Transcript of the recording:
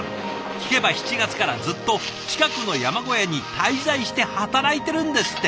聞けば７月からずっと近くの山小屋に滞在して働いてるんですって。